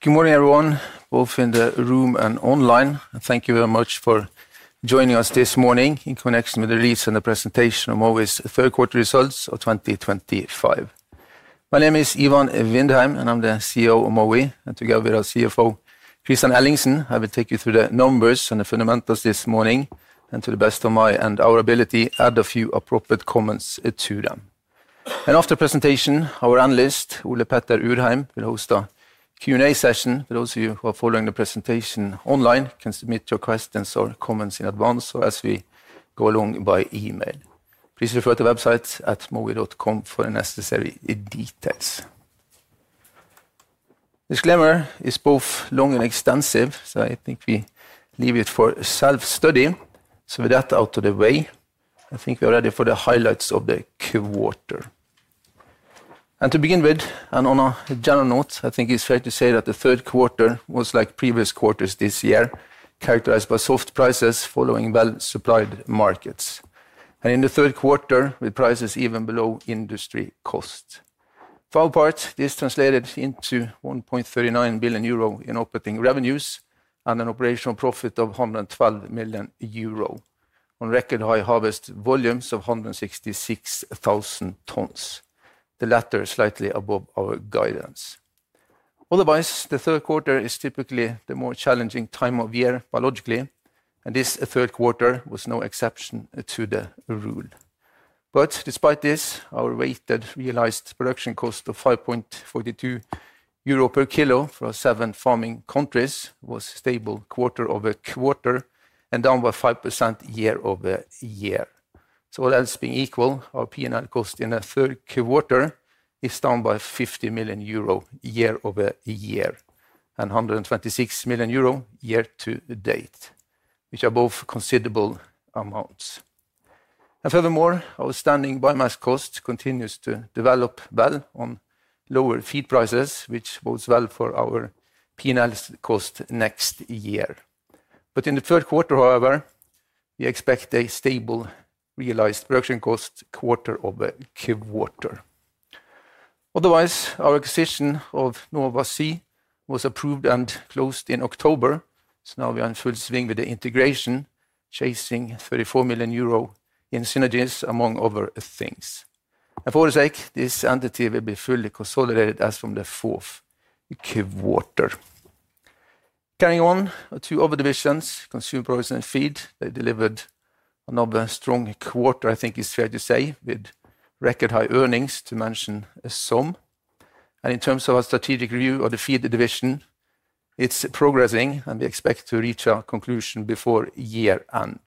Good morning, everyone, both in the room and online. Thank you very much for joining us this morning in connection with the release and the presentation of Mowi's third-quarter results of 2025. My name is Ivan Vindheim, and I'm the CEO of Mowi. Together with our CFO, Kristian Ellingsen, I will take you through the numbers and the fundamentals this morning, and to the best of my and our ability, add a few appropriate comments to them. After the presentation, our analyst, Ole Petter Urheim, will host a Q&A session. For those of you who are following the presentation online, you can submit your questions or comments in advance or as we go along by email. Please refer to the website at mowi.com for the necessary details. Disclaimer is both long and extensive, so I think we leave it for self-study. With that out of the way, I think we are ready for the highlights of the quarter. To begin with, and on a general note, I think it's fair to say that the third quarter was like previous quarters this year, characterized by soft prices following well-supplied markets. In the third quarter, with prices even below industry costs. For our part, this translated into 1.39 billion euro in operating revenues and an operational profit of 112 million euro. On record high harvest volumes of 166,000 tons, the latter slightly above our guidance. Otherwise, the third quarter is typically the more challenging time of year biologically, and this third quarter was no exception to the rule. Despite this, our weighted realized production cost of 5.42 euro per kilo for seven farming countries was stable quarter-over-quarter and down by 5% year-over-year. All else being equal, our P&L cost in the third quarter is down by 50 million euro year-over-year and 126 million euro year-to-date, which are both considerable amounts. Furthermore, our standing biomass cost continues to develop well on lower feed prices, which bodes well for our P&L cost next year. In the third quarter, however, we expect a stable realized production cost quarter-over-quarter. Otherwise, our acquisition of Nova Sea was approved and closed in October, so now we are in full swing with the integration, chasing 34 million euro in synergies, among other things. For the sake of this entity, we'll be fully consolidated as from the fourth quarter. Carrying on to other divisions, consumer products and feed, they delivered another strong quarter, I think it's fair to say, with record high earnings to mention some. In terms of our strategic review of the feed division, it's progressing, and we expect to reach our conclusion before year-end.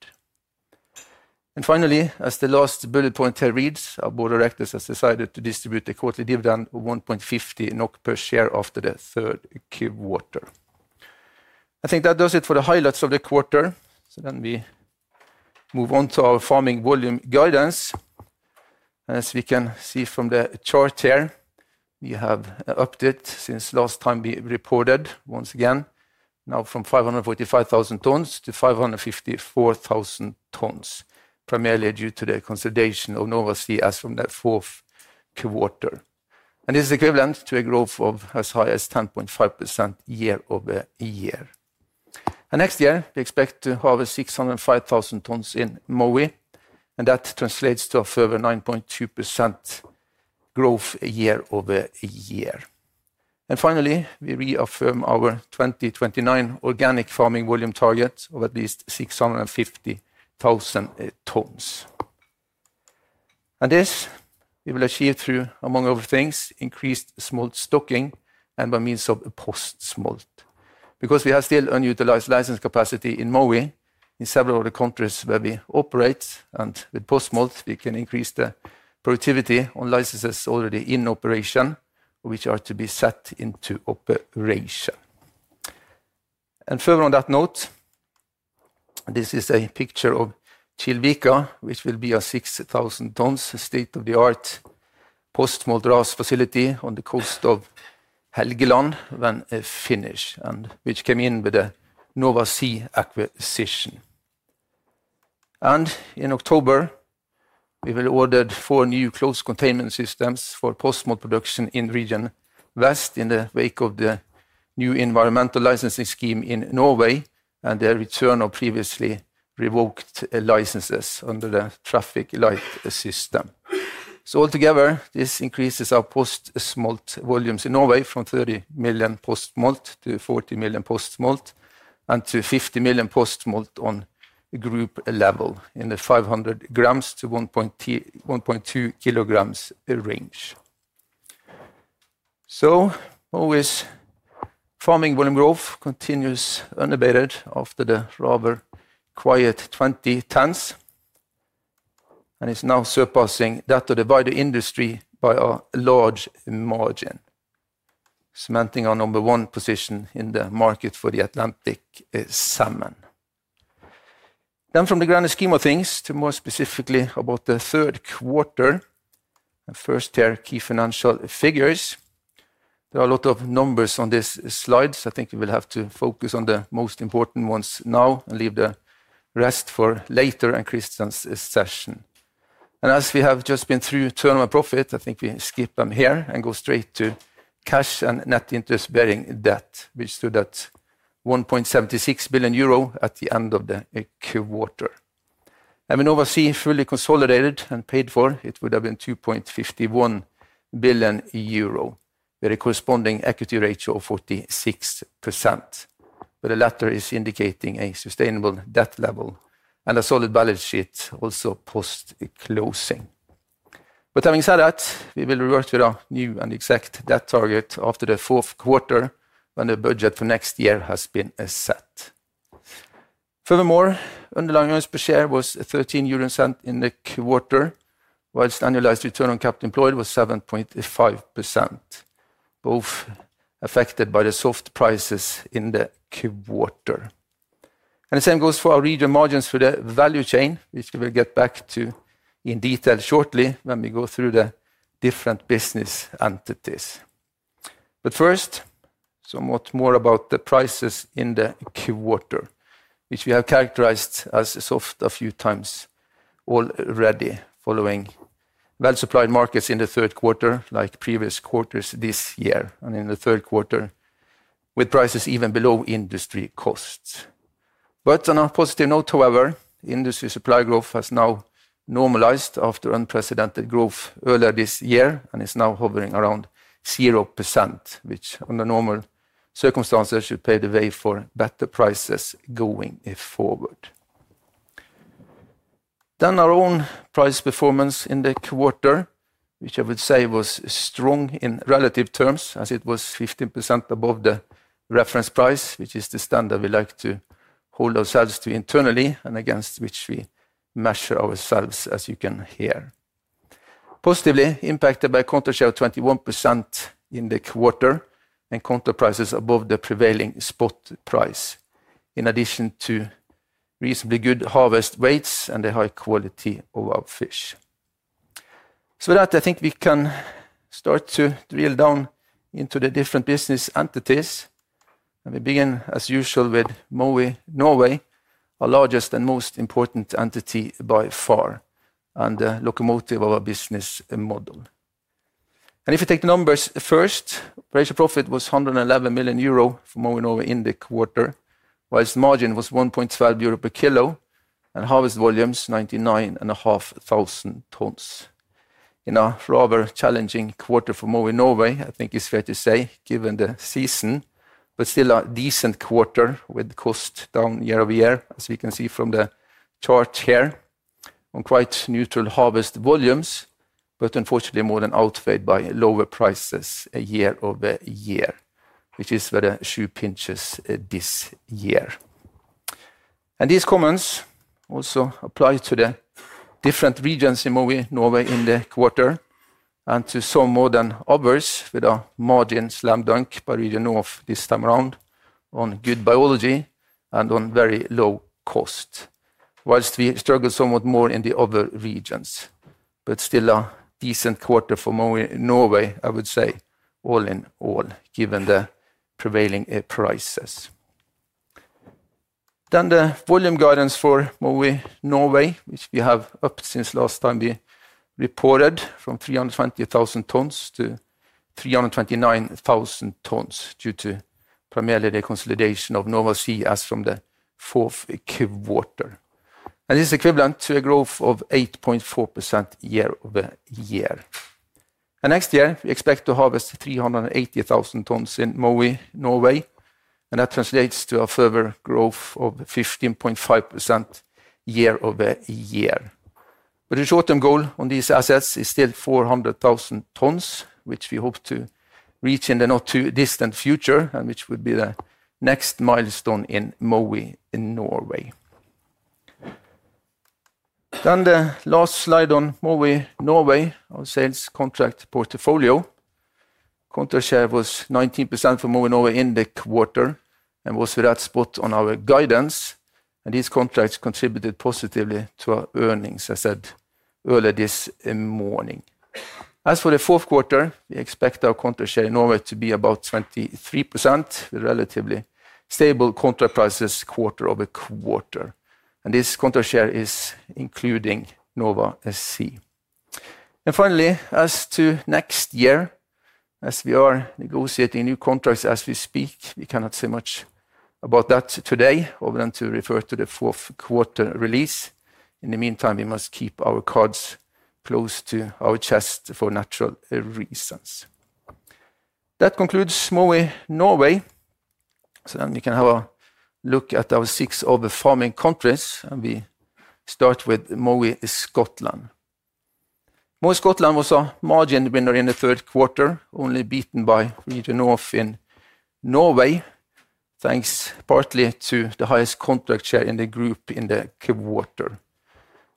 Finally, as the last bullet point reads, our board of directors has decided to distribute a quarterly dividend of 1.50 NOK per share after the third quarter. I think that does it for the highlights of the quarter, so then we. Move on to our farming volume guidance. As we can see from the chart here, we have upped it since last time we reported, once again, now from 545,000 tons- 554,000 tons, primarily due to the consolidation of Nova Sea as from the fourth quarter. This is equivalent to a growth of as high as 10.5% year-over-year. Next year, we expect to harvest 605,000 tons in Mowi, and that translates to a further 9.2% growth year-over-year. And finally, we reaffirm our 2029 organic farming volume target of at least 650,000 tons. This we will achieve through, among other things, increased smolt stocking and by means of post-smolt. We have still unutilized license capacity in Mowi in several of the countries where we operate, and with post-smolt, we can increase the productivity on licenses already in operation, which are to be set into operation. Further on that note, this is a picture of Kjellvika, which will be a 6,000 tons state-of-the-art post-smolt grass facility on the coast of Helgeland when finished, and which came in with the Nova Sea acquisition. And in October, we will order four new closed containment systems for post-smolt production in Region West in the wake of the new environmental licensing scheme in Norway and the return of previously revoked licenses under the traffic light system. Altogether, this increases our post-smolt volumes in Norway from 30 million post-smolt-40 million post-smolt and to 50 million post-smolt on group level in the 500 grams-1.2 kilograms range. Mowi's farming volume growth continues unabated after the rather quiet 2010s and is now surpassing that of the wider industry by a large margin, cementing our number one position in the market for the Atlantic salmon. Then from the grand scheme of things, to more specifically about the third quarter. First here, key financial figures. There are a lot of numbers on this slide, so I think we will have to focus on the most important ones now and leave the rest for later in Kristian's session. As we have just been through turnover profit, I think we skip them here and go straight to cash and net interest-bearing debt, which stood at 1.76 billion euro at the end of the quarter. When Nova Sea fully consolidated and paid for, it would have been 2.51 billion euro with a corresponding equity ratio of 46%. The latter is indicating a sustainable debt level and a solid balance sheet also post-closing. Having said that, we will revert to our new and exact debt target after the fourth quarter when the budget for next year has been set. Furthermore, underlying earnings per share was 0.13 in the quarter, whilst annualized return on capital employed was 7.5%. Both affected by the soft prices in the quarter. The same goes for our region margins for the value chain, which we will get back to in detail shortly when we go through the different business entities. First, some more about the prices in the quarter, which we have characterized as soft a few times already, following well-supplied markets in the third quarter like previous quarters this year, and in the third quarter with prices even below industry costs. On a positive note, however, industry supply growth has now normalized after unprecedented growth earlier this year and is now hovering around 0%, which under normal circumstances should pave the way for better prices going forward. Then our own price performance in the quarter, which I would say was strong in relative terms as it was 15% above the reference price, which is the standard we like to hold ourselves to internally and against which we measure ourselves, as you can hear. Positively impacted by contract share of 21% in the quarter and contract prices above the prevailing spot price, in addition to reasonably good harvest weights and the high quality of our fish. With that, I think we can start to drill down into the different business entities. We begin, as usual, with Mowi Norway, our largest and most important entity by far and the locomotive of our business model. And if you take the numbers first, operational profit was 111 million euro for Mowi Norway in the quarter, whilst margin was 1.12 euro per kilo and harvest volumes 99,500 tons. In a rather challenging quarter for Mowi Norway, I think it's fair to say, given the season, but still a decent quarter with cost down year-over-year, as we can see from the chart here, on quite neutral harvest volumes, but unfortunately more than outweighed by lower prices year-over-year, which is where the shoe pinches this year. And these comments also apply to the different regions in Mowi Norway in the quarter and to some more than others, with a margin slam dunk by Region North this time around on good biology and on very low cost. We struggled somewhat more in the other regions, but still a decent quarter for Mowi Norway, I would say, all in all, given the prevailing prices. Then the volume guidance for Mowi Norway, which we have upped since last time we reported, from 320,000 tons-329,000 tons due to primarily the consolidation of Nova Sea as from the fourth quarter. And this is equivalent to a growth of 8.4% year-over-year. Next year, we expect to harvest 380,000 tons in Mowi Norway, and that translates to a further growth of 15.5% year-over-year. The short-term goal on these assets is still 400,000 tons, which we hope to reach in the not-too-distant future and which would be the next milestone in Mowi Norway. The last slide on Mowi Norway, our sales contract portfolio. Counter share was 19% for Mowi Norway in the quarter and was with that spot on our guidance. These contracts contributed positively to our earnings, as I said earlier this morning. As for the fourth quarter, we expect our counter share in Norway to be about 23% with relatively stable contract prices quarter-over-quarter. This counter share is including Nova Sea. Finally, as to next year, as we are negotiating new contracts as we speak, we cannot say much about that today other than to refer to the fourth quarter release. In the meantime, we must keep our cards close to our chest for natural reasons. That concludes Mowi Norway. We can have a look at our six other farming countries, and we start with Mowi Scotland. Mowi Scotland was a margin winner in the third quarter, only beaten by Region North in Norway, thanks partly to the highest contract share in the group in the quarter.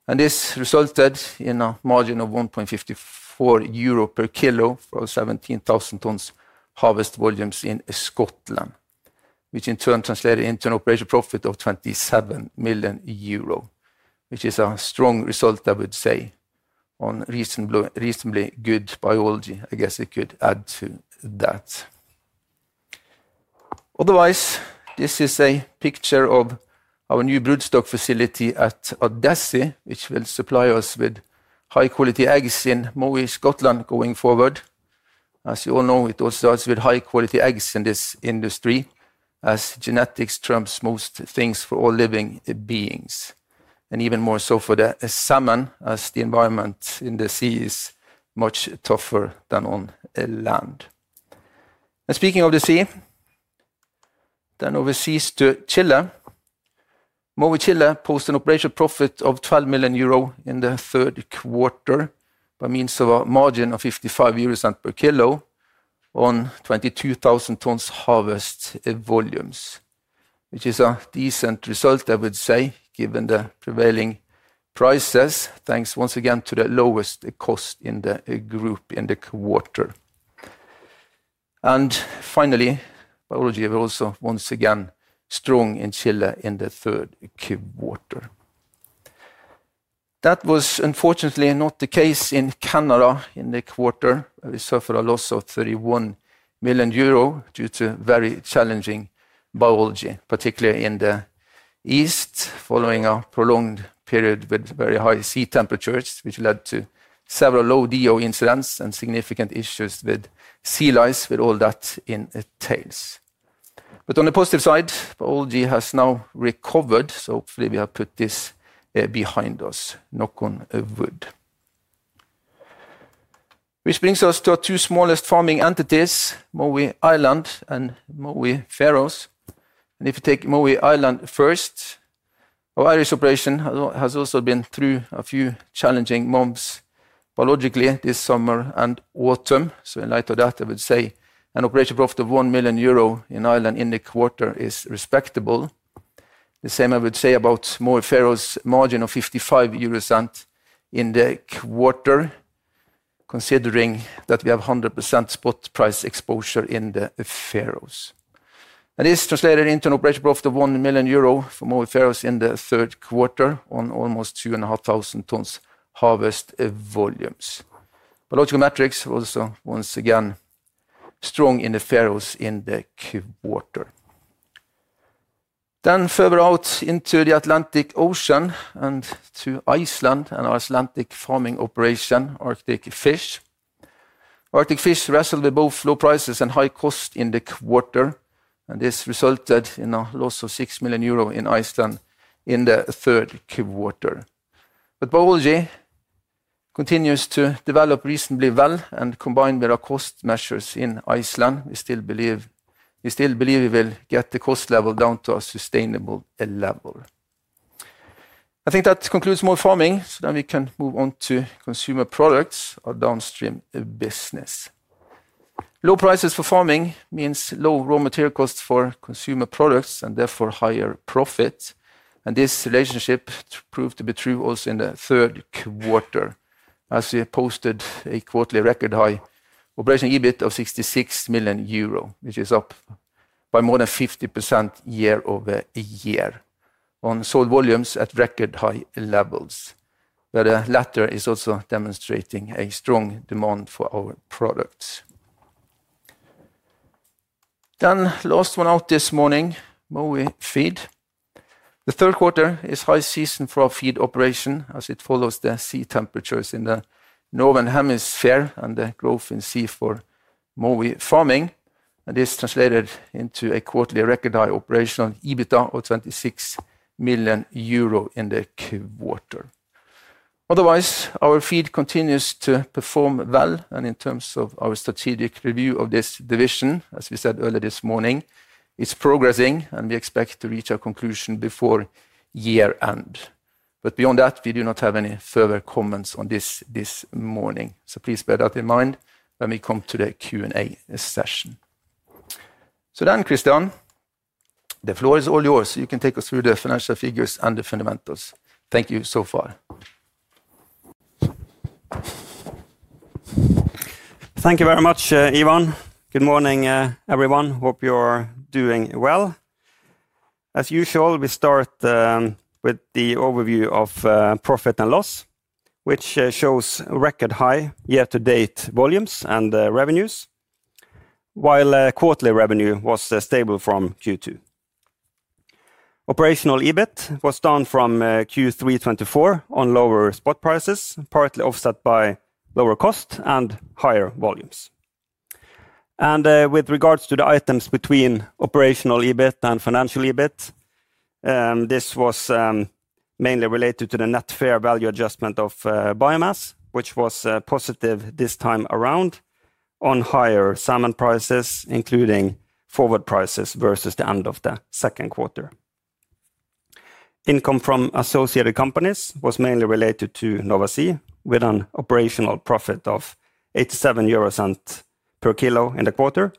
This resulted in a margin of 1.54 euro per kilo for our 17,000 tons harvest volumes in Scotland, which in turn translated into an operational profit of 27 million euro, which is a strong result, I would say, on reasonably good biology. I guess I could add to that. Otherwise, this is a picture of our new broodstock facility at Odessa, which will supply us with high-quality eggs in Mowi Scotland going forward. As you all know, it also starts with high-quality eggs in this industry, as genetics trumps most things for all living beings, and even more so for the salmon, as the environment in the sea is much tougher than on land. Speaking of the sea, overseas to Chile. Mowi Chile posted an operational profit of 12 million euro in the third quarter by means of a margin of 0.55 euros per kilo on 22,000 tons harvest volumes, which is a decent result, I would say, given the prevailing prices, thanks once again to the lowest cost in the group in the quarter. Finally, biology was also once again strong in Chile in the third quarter. That was unfortunately not the case in Canada in the quarter, where we suffered a loss of 31 million euro due to very challenging biology, particularly in the east, following a prolonged period with very high sea temperatures, which led to several low DO incidents and significant issues with sea lice, with all that entails. On the positive side, biology has now recovered, so hopefully we have put this behind us, knock on wood. This brings us to our two smallest farming entities, Mowi Ireland and Mowi Faroes. If you take Mowi Ireland first, our Irish operation has also been through a few challenging months biologically this summer and autumn. In light of that, I would say an operational profit of 1 million euro in Ireland in the quarter is respectable. The same I would say about Mowi Faroes' margin of 0.55 euros in the quarter. Considering that we have 100% spot price exposure in the Faroes. This translated into an operational profit of 1 million euro for Mowi Faroes in the third quarter on almost 2,500 tons harvest volumes. Biological metrics were also once again strong in the Faroes in the quarter. Further out into the Atlantic Ocean and to Iceland and our Atlantic farming operation, Arctic Fish. Arctic Fish wrestled with both low prices and high costs in the quarter, and this resulted in a loss of 6 million euro in Iceland in the third quarter. Biology continues to develop reasonably well, and combined with our cost measures in Iceland, we still believe we will get the cost level down to a sustainable level. I think that concludes Mowi farming, so we can move on to consumer products, our downstream business. Low prices for farming mean low raw material costs for consumer products and therefore higher profits. This relationship proved to be true also in the third quarter, as we posted a quarterly record high operational EBIT of 66 million euro, which is up by more than 50% year-over-year, on salt volumes at record high levels. The latter is also demonstrating a strong demand for our products. Last one out this morning, Mowi Feed. The third quarter is high season for our feed operation, as it follows the sea temperatures in the Northern Hemisphere and the growth in sea for Mowi farming. This translated into a quarterly record high operational EBITDA of 26 million euro in the quarter. Otherwise, our feed continues to perform well, and in terms of our strategic review of this division, as we said earlier this morning, it is progressing, and we expect to reach our conclusion before year-end. Beyond that, we do not have any further comments on this this morning. Please bear that in mind when we come to the Q&A session. Kristian, the floor is all yours. You can take us through the financial figures and the fundamentals. Thank you so far. Thank you very much, Ivan. Good morning, everyone. Hope you are doing well. As usual, we start with the overview of profit and loss, which shows record-high year-to-date volumes and revenues. While quarterly revenue was stable from Q2, operational EBIT was down from Q3 2024 on lower spot prices, partly offset by lower cost and higher volumes. And with regards to the items between operational EBIT and financial EBIT, this was mainly related to the net fair value adjustment of biomass, which was positive this time around on higher salmon prices, including forward prices versus the end of the second quarter. Income from associated companies was mainly related to Nova Sea, with an operational profit of 0.87 per kilo in the quarter,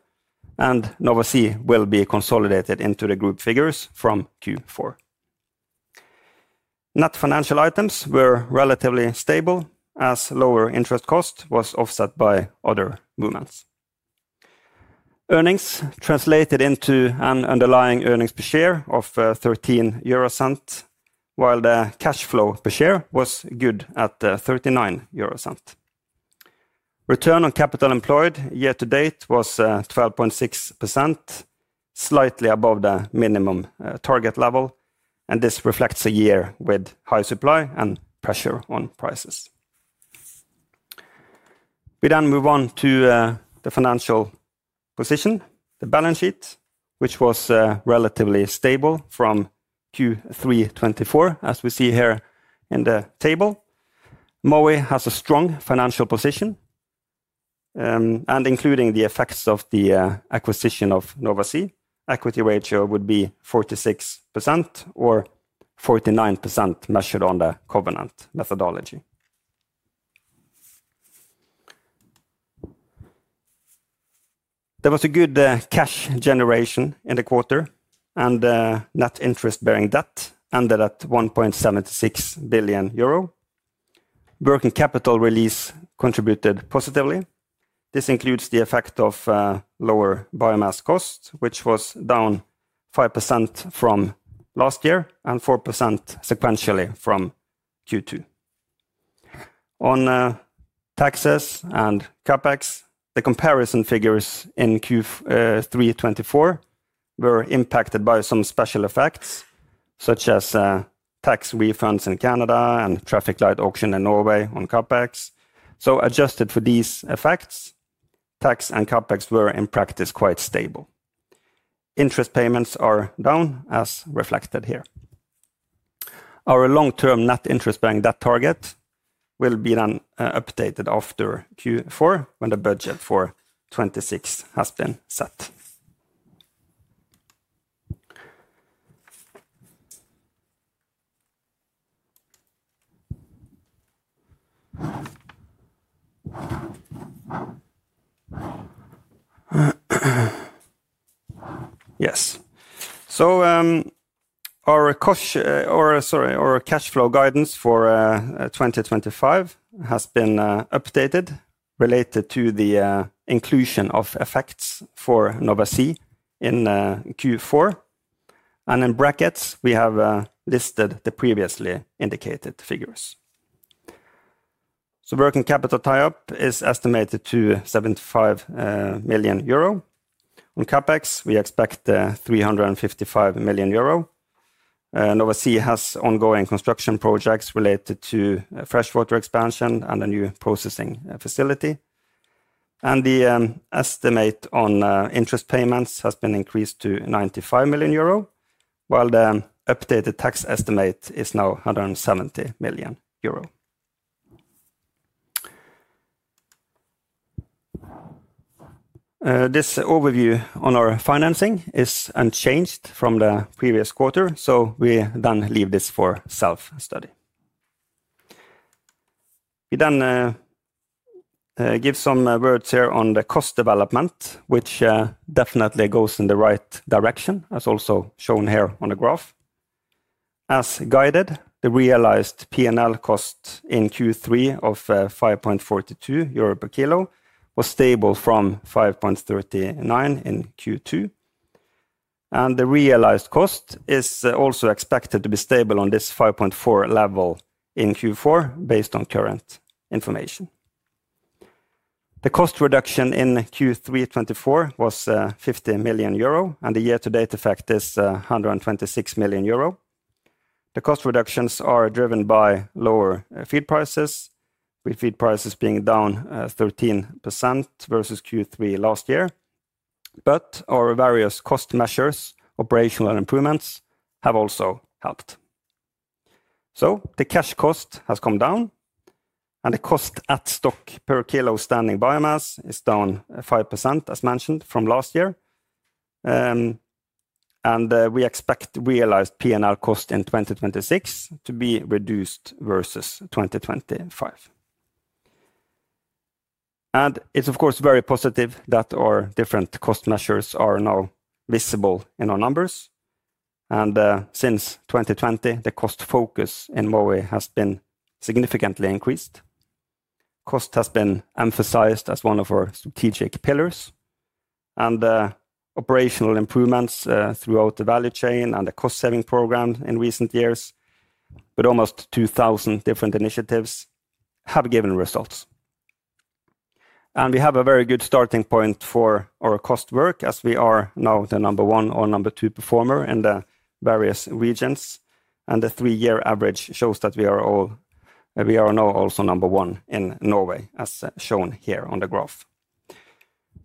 and Nova Sea will be consolidated into the group figures from Q4. Net financial items were relatively stable, as lower interest cost was offset by other movements. Earnings translated into an underlying earnings per share of 0.13. While the cash flow per share was good at 0.39. Return on capital employed year-to-date was 12.6%. Slightly above the minimum target level, and this reflects a year with high supply and pressure on prices. We then move on to the financial position, the balance sheet, which was relatively stable from Q3 2024, as we see here in the table. Mowi has a strong financial position. And including the effects of the acquisition of Nova Sea, equity ratio would be 46% or 49% measured on the Covenant methodology. There was a good cash generation in the quarter, and net interest-bearing debt ended at 1.76 billion euro. Working capital release contributed positively. This includes the effect of lower biomass cost, which was down 5% from last year and 4% sequentially from Q2. On taxes and CapEx, the comparison figures in Q3 2024 were impacted by some special effects, such as tax refunds in Canada and traffic light auction in Norway on CapEx. So adjusted for these effects, tax and CapEx were in practice quite stable. Interest payments are down, as reflected here. Our long-term net interest-bearing debt target will be then updated after Q4, when the budget for 2026 has been set. Yes. So our cash flow guidance for 2025 has been updated related to the inclusion of effects for Nova Sea in Q4. And in brackets, we have listed the previously indicated figures. So working capital tie-up is estimated to 75 million euro. On CapEx, we expect 355 million euro. Nova Sea has ongoing construction projects related to freshwater expansion and a new processing facility. And the estimate on interest payments has been increased to 95 million euro, while the updated tax estimate is now 170 million euro. This overview on our financing is unchanged from the previous quarter, so we then leave this for self-study. We then give some words here on the cost development, which definitely goes in the right direction, as also shown here on the graph. As guided, the realized P&L cost in Q3 of 5.42 euro per kilo was stable from 5.39 in Q2. And the realized cost is also expected to be stable on this 5.4 level in Q4, based on current information. The cost reduction in Q3 2024 was 50 million euro, and the year-to-date effect is 126 million euro. The cost reductions are driven by lower feed prices, with feed prices being down 13% versus Q3 last year. But our various cost measures, operational improvements, have also helped. So the cash cost has come down. And the cost at stock per kilo standing biomass is down 5%, as mentioned, from last year. And we expect realized P&L cost in 2026 to be reduced versus 2025. And it is, of course, very positive that our different cost measures are now visible in our numbers. And since 2020, the cost focus in Mowi has been significantly increased. Cost has been emphasized as one of our strategic pillars. Operational improvements throughout the value chain and the cost-saving program in recent years, with almost 2,000 different initiatives, have given results. We have a very good starting point for our cost work, as we are now the number one or number two performer in the various regions. The three-year average shows that we are all. We are now also number one in Norway, as shown here on the graph.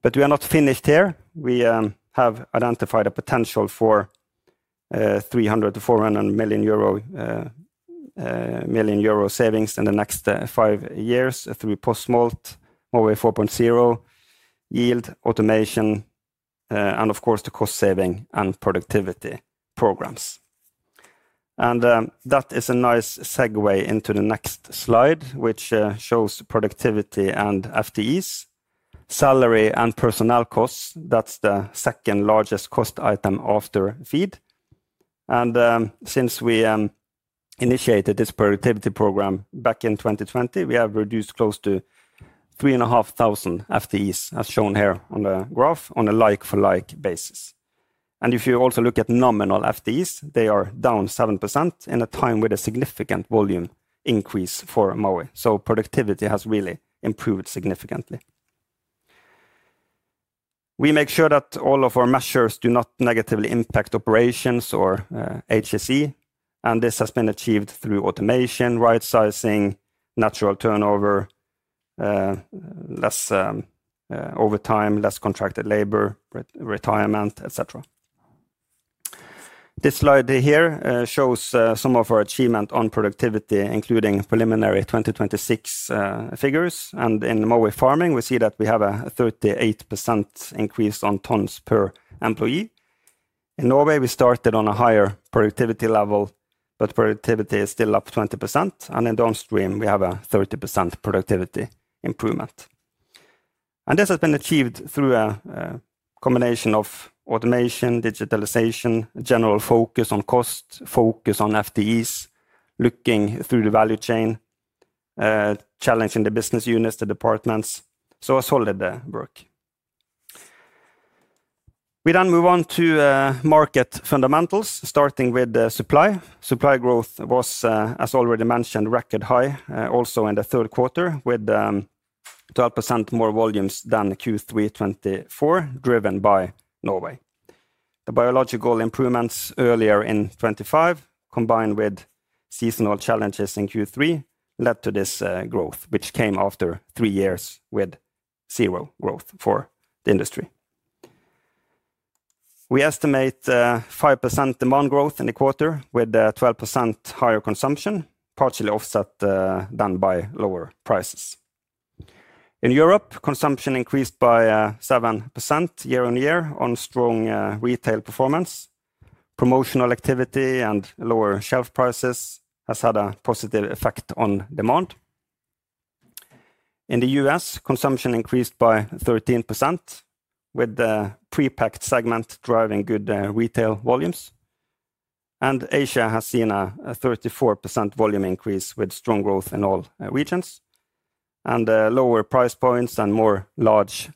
But we are not finished here. We have identified a potential for 300 million-400 million euro savings in the next five years through post-smolt, Mowi 4.0, yield, automation, and of course, the cost-saving and productivity programs. And that is a nice segue into the next slide, which shows productivity and FTEs. Salary and personnel costs, that's the second largest cost item after feed. Since we initiated this productivity program back in 2020, we have reduced close to 3,500 FTEs, as shown here on the graph, on a like-for-like basis. If you also look at nominal FTEs, they are down 7% in a time with a significant volume increase for Mowi. So productivity has really improved significantly. We make sure that all of our measures do not negatively impact operations or HSE. This has been achieved through automation, right-sizing, natural turnover, less overtime, less contracted labor, retirement, etc. This slide here shows some of our achievement on productivity, including preliminary 2026 figures. In Mowi farming, we see that we have a 38% increase on tons per employee. In Norway, we started on a higher productivity level, but productivity is still up 20%. In downstream, we have a 30% productivity improvement. This has been achieved through a combination of automation, digitalization, general focus on cost, focus on FTEs, looking through the value chain, challenging the business units, the departments. A solid work. We then move on to market fundamentals, starting with supply. Supply growth was, as already mentioned, record high, also in the third quarter, with 12% more volumes than Q3 2024, driven by Norway. The biological improvements earlier in 2025, combined with seasonal challenges in Q3, led to this growth, which came after three years with zero growth for the industry. We estimate 5% demand growth in the quarter, with 12% higher consumption, partially offset by lower prices. In Europe, consumption increased by 7% year-on-year on strong retail performance. Promotional activity and lower shelf prices have had a positive effect on demand. In the U.S., consumption increased by 13%, with the pre-packed segment driving good retail volumes. And, Asia has seen a 34% volume increase with strong growth in all regions. And lower price points and more large-sized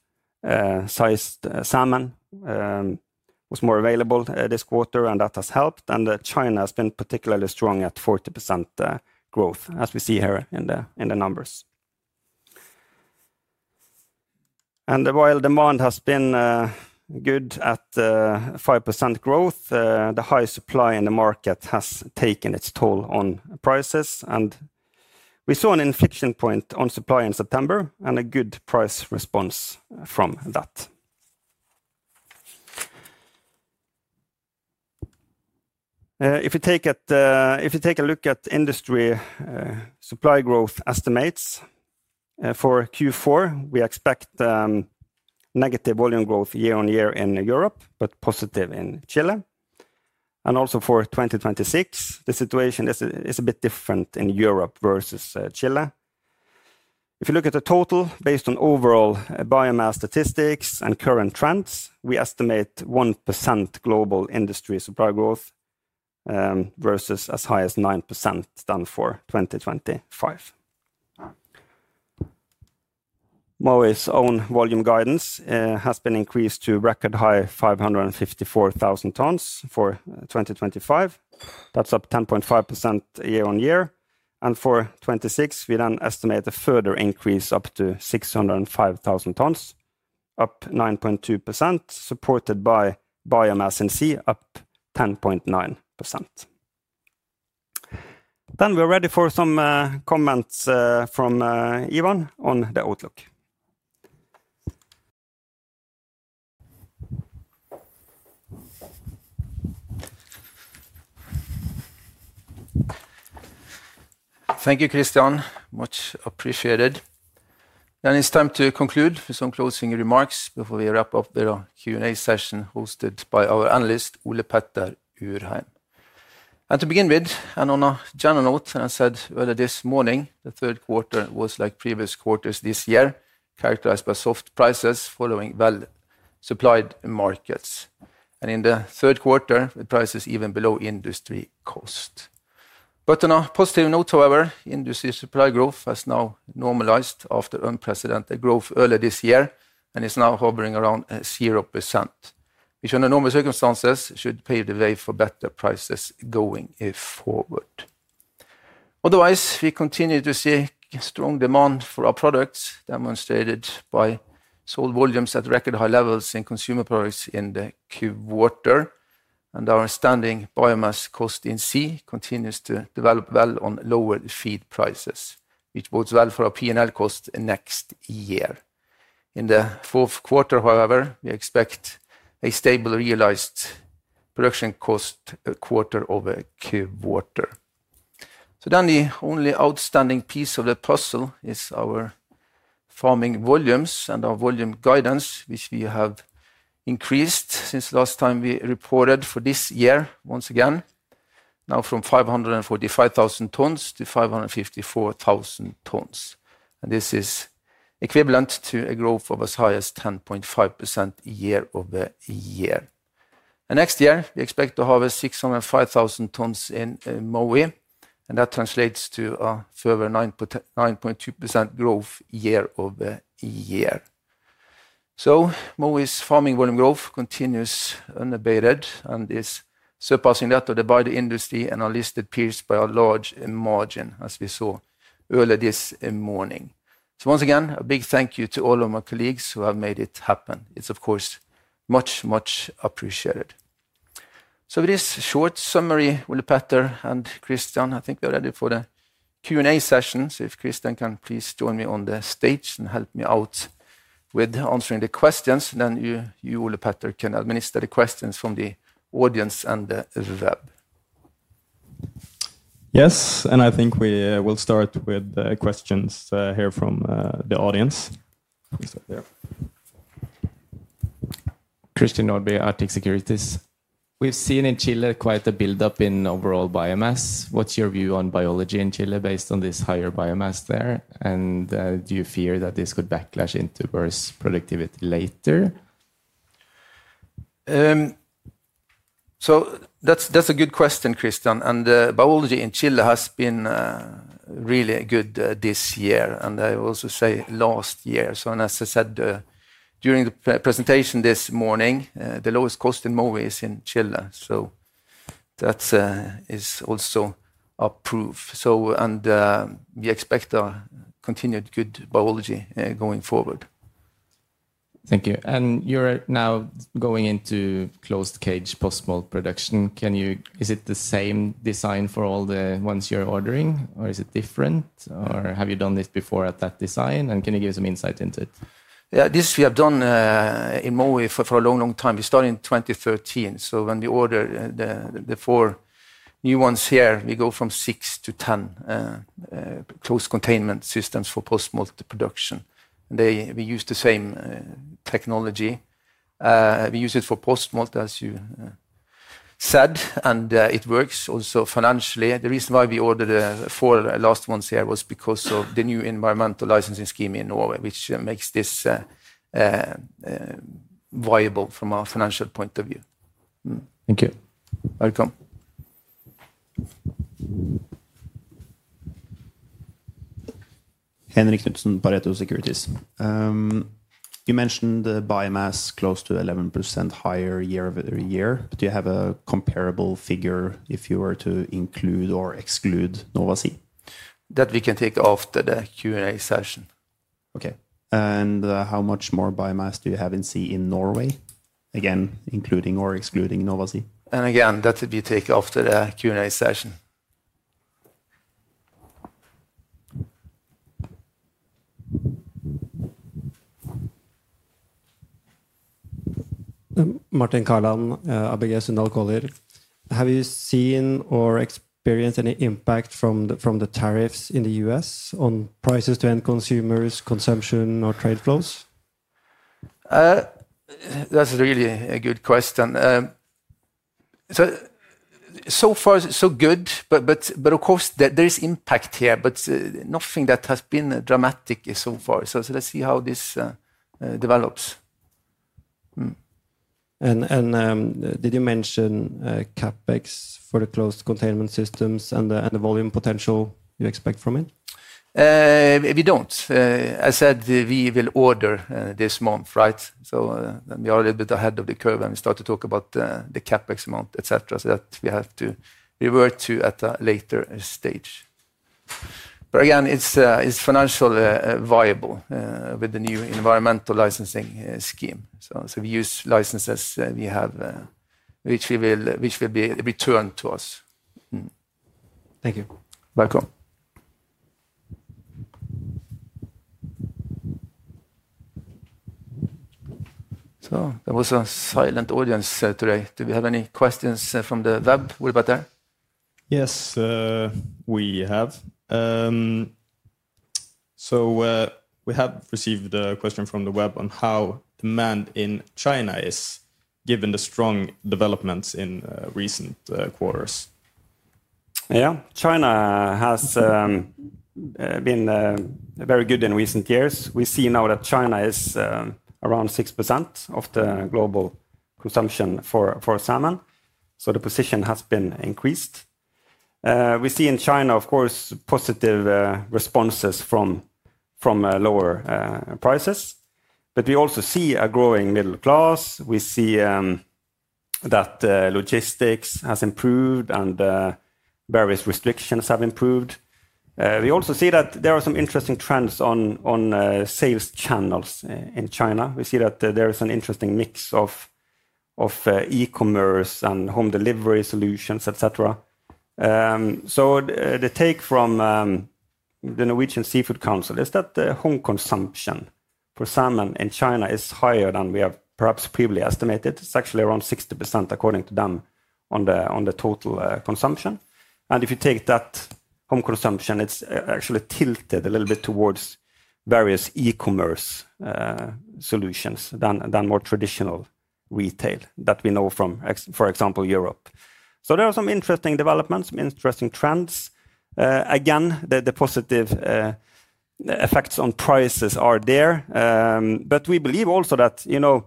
salmon were more available this quarter, and that has helped. China has been particularly strong at 40% growth, as we see here in the numbers. While demand has been good at 5% growth, the high supply in the market has taken its toll on prices. And we saw an inflection point on supply in September and a good price response from that. If you take a look at industry supply growth estimates for Q4, we expect negative volume growth year-on-year in Europe, but positive in Chile. Also for 2026, the situation is a bit different in Europe versus Chile. If you look at the total based on overall biomass statistics and current trends, we estimate 1% global industry supply growth versus as high as 9% done for 2025. Mowi's own volume guidance has been increased to record high 554,000 tons for 2025. That is up 10.5% year-on-year. And for 2026, we then estimate a further increase up to 605,000 tons, up 9.2%, supported by biomass in sea, up 10.9%. Then we are ready for some comments from Ivan on the outlook. Thank you, Kristian. Much appreciated. It is time to conclude with some closing remarks before we wrap up the Q&A session hosted by our analyst, Ole Petter Urheim. To begin with, on a general note, as I said earlier this morning, the third quarter was like previous quarters this year, characterized by soft prices following well-supplied markets. In the third quarter, the price is even below industry cost. On a positive note, however, industry supply growth has now normalized after unprecedented growth earlier this year and is now hovering around 0%, which under normal circumstances should pave the way for better prices going forward. Otherwise, we continue to see strong demand for our products, demonstrated by sold volumes at record high levels in consumer products in the Q4. Our standing biomass cost in sea continues to develop well on lower feed prices, which bodes well for our P&L cost next year. In the fourth quarter, however, we expect a stable realized production cost quarter over Q4. The only outstanding piece of the puzzle is our farming volumes and our volume guidance, which we have increased since last time we reported for this year, once again, now from 545,000 tons-554,000 tons. This is equivalent to a growth of as high as 10.5% year-over-year. Next year, we expect to have 605,000 tons in Mowi. That translates to a further 9.2% growth year-over-year. Mowi's farming volume growth continues unabated and is surpassing that of the body industry and our listed peers by a large margin, as we saw earlier this morning. Once again, a big thank you to all of my colleagues who have made it happen. It is, of course, much, much appreciated. With this short summary, Ole Petter and Kristian, I think we are ready for the Q&A session. If Kristian can please join me on the stage and help me out with answering the questions, then you, Ole Petter, can administer the questions from the audience and the web. Yes, and I think we will start with the questions here from the audience. Christian Nordby, Arctic Securities. We've seen in Chile quite a build-up in overall biomass. What's your view on biology in Chile based on this higher biomass there? And do you fear that this could backlash into worse productivity later? That's a good question, Christian. Biology in Chile has been really good this year, and I will also say last year. As I said during the presentation this morning, the lowest cost in Mowi is in Chile. That is also a proof, and so and we expect a continued good biology going forward. Thank you. You're now going into closed-cage post-smolt production. Is it the same design for all the ones you're ordering, or is it different, or have you done this before at that design? Can you give some insight into it? Yeah, this we have done in Mowi for a long, long time. We started in 2013. So when we ordered the four new ones here, we go from 6-10 closed containment systems for post-smolt production. We use the same technology. We use it for post-smolt, as you said, and it works also financially. The reason why we ordered the four last ones here was because of the new environmental licensing scheme in Norway, which makes this viable from a financial point of view. Thank you. Welcome. Henrik Knutsen, Pareto Securities. You mentioned biomass close to 11% higher year-over-year. Do you have a comparable figure if you were to include or exclude Nova Sea? That we can take after the Q&A session. Okay. And how much more biomass do you have in sea in Norway? Again, including or excluding Nova Sea? Again, that we take after the Q&A session. Martin Kahland, ABG Sundal Collier. Have you seen or experienced any impact from the tariffs in the U.S. on prices to end consumers, consumption, or trade flows? That's a really good question. So far, so good, but of course there is impact here, but nothing that has been dramatic so far. Let's see how this develops. And then, did you mention CapEx for the closed containment systems and the volume potential you expect from it? We don't. As I said, we will order this month, right? We are a little bit ahead of the curve when we start to talk about the CapEx amount, etc., so that we have to revert to at a later stage. Again, it's financially viable with the new environmental licensing scheme. We use licenses we have, which will be returned to us. Thank you. Welcome. There was a silent audience today. Do we have any questions from the web, Ole Petter? Yes, we have. We have received a question from the web on how demand in China is given the strong developments in recent quarters. Yeah, China has been very good in recent years. We see now that China is around 6% of the global consumption for salmon. The position has been increased. We see in China, of course, positive responses from lower prices. We also see a growing middle class. We see that logistics has improved and various restrictions have improved. We also see that there are some interesting trends on sales channels in China. We see that there is an interesting mix of e-commerce and home delivery solutions, etc. The take from the Norwegian Seafood Council is that the home consumption for salmon in China is higher than we have perhaps previously estimated. It is actually around 60%, according to them, on the total consumption. And if you take that home consumption, it is actually tilted a little bit towards various e-commerce solutions than more traditional retail that we know from, for example, Europe. There are some interesting developments, some interesting trends. Again, the positive effects on prices are there. We believe also that you know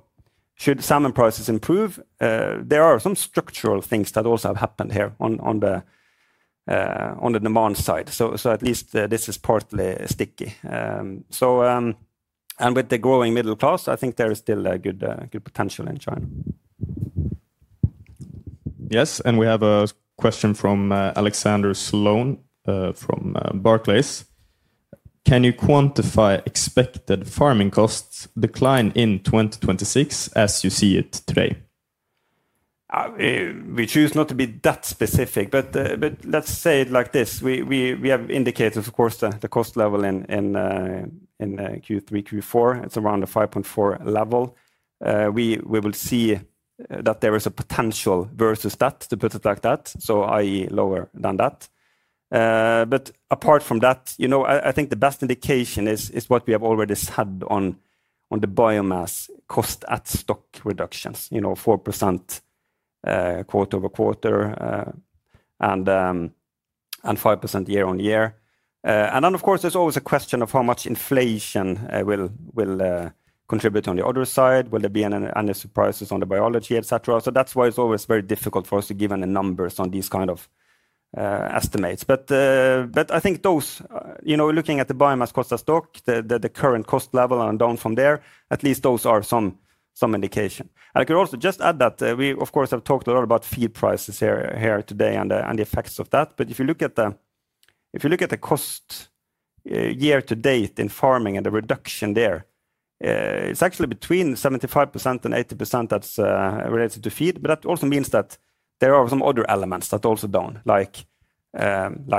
should salmon prices improve, there are some structural things that also have happened here on the demand side. At least this is partly sticky. So with the growing middle class, I think there is still a good potential in China. Yes, and we have a question from Alexander Sloane from Barclays. Can you quantify expected farming costs decline in 2026 as you see it today? We choose not to be that specific, but let's say it like this. We have indicated, of course, the cost level in Q3, Q4. It is around a 5.4 level. We will see that there is a potential versus that, to put it like that, i.e. lower than that. Apart from that, I think the best indication is what we have already said on the biomass cost at stock reductions, you know, 4% quarter-over-quarter and 5% year-on-year. Of course, there is always a question of how much inflation will contribute on the other side. Will there be any surprises on the biology, etc.? That is why it is always very difficult for us to give any numbers on these kind of estimates. But I think those, you know, looking at the biomass cost at stock, the current cost level and down from there, at least those are some indication. I could also just add that we, of course, have talked a lot about feed prices here today and the effects of that. If you look at the cost year-to-date in farming and the reduction there, it is actually between 75%-80% that is related to feed. That also means that there are some other elements that are also down, like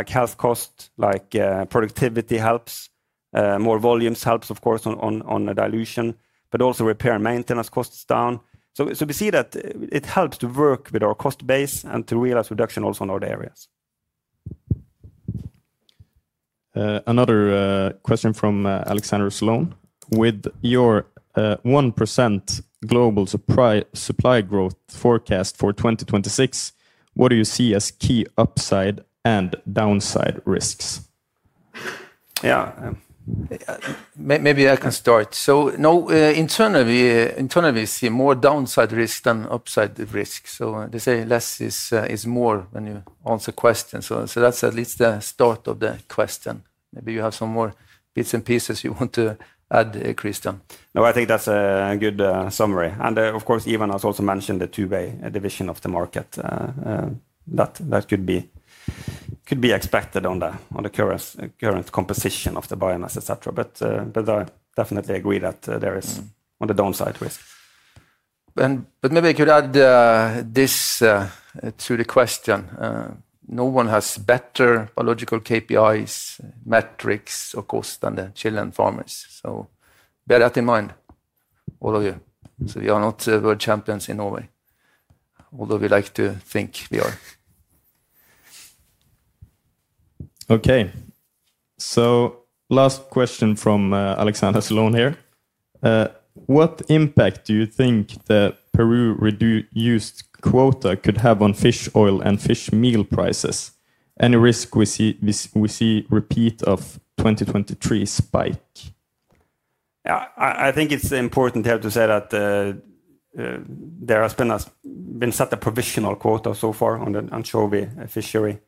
health cost, like productivity helps, more volumes helps, of course, on dilution, but also repair and maintenance costs down. We see that it helps to work with our cost base and to realize reduction also in other areas. Another question from Alexander Sloane. With your 1% global supply growth forecast for 2026, what do you see as key upside and downside risks? Yeah. Maybe I can start. No, internally. We see more downside risks than upside risks. They say less is more when you answer questions. That is at least the start of the question. Maybe you have some more bits and pieces you want to add, Kristian. No, I think that is a good summary. Of course, Ivan has also mentioned the two-way division of the market. That could be expected on the current composition of the biomass, etc. I definitely agree that there is on the downside risk. Maybe I could add this to the question. No one has better biological KPIs, metrics, or cost than the Chilean farmers. So bear that in mind, all of you. We are not world champions in Norway, although we like to think we are. Okay. Last question from Alexander Sloane here. What impact do you think the Peru-reduced quota could have on fish oil and fish meal prices? Any risk we see repeat of 2023 spike? I think it is important to say that there has been such a provisional quota so far on anchovy fishery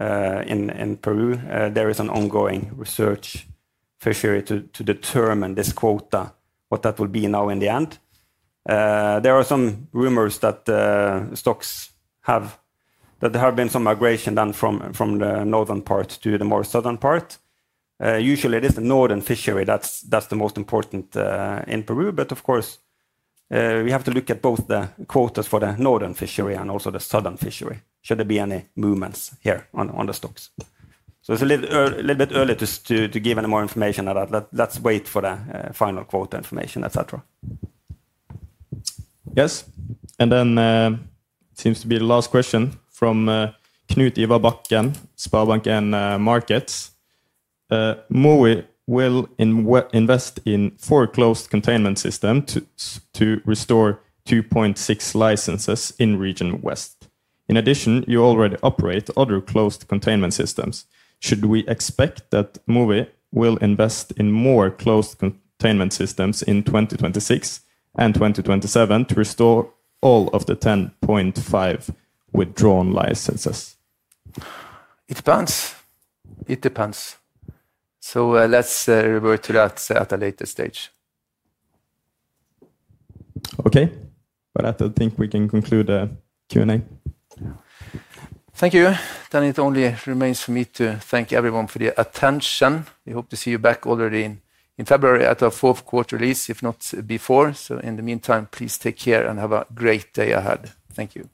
in Peru. There is an ongoing research fishery to determine this quota, what that will be now in the end. There are some rumors that stocks have, that there has been some migration done from the northern part to the more southern part. Usually, it is the northern fishery that is the most important in Peru. But of course, we have to look at both the quotas for the northern fishery and also the southern fishery, should there be any movements here on the stocks. So it is a little bit early to give any more information on that. Let's wait for the final quota information, etc. Yes. And then it seems to be the last question from Knut Ivar Bakken, SpareBank 1 Markets. Mowi will invest in four closed containment systems to restore 2.6 licenses in Region West. In addition, you already operate other closed containment systems. Should we expect that Mowi will invest in more closed containment systems in 2026 and 2027 to restore all of the 10.5 withdrawn licenses? It depends. It depends. So let's revert to that at a later stage. Okay. I do think we can conclude the Q&A. Thank you. Then it only remains for me to thank everyone for the attention. We hope to see you back already in February at our fourth quarter release, if not before. So in the meantime, please take care and have a great day ahead. Thank you.